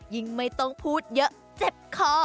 ยิ่งไม่ต้องพูดเยอะเจ็บคอ